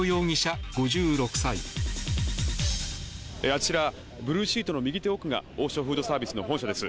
あちらブルーシートの右手奥が王将フードサービスの本社です。